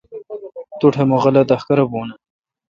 توٹھ مہ غلط احکارہ بھون اؘ۔